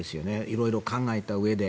色々と考えたうえで。